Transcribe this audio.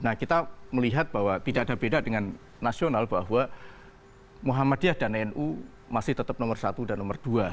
nah kita melihat bahwa tidak ada beda dengan nasional bahwa muhammadiyah dan nu masih tetap nomor satu dan nomor dua